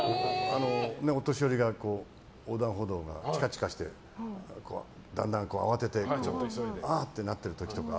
お年寄りが横断歩道がチカチカしてだんだん慌ててああってなってる時とか。